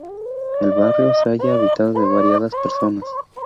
El barrio se halla habitado de variadas personas.